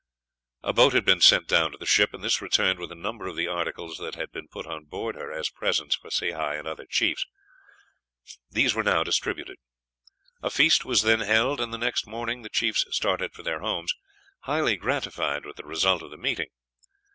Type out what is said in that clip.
A boat had been sent down to the ship, and this returned with a number of the articles that had been put on board her as presents for Sehi and other chiefs. These were now distributed. A feast was then held, and the next morning the chiefs started for their homes, highly gratified with the result of the meeting.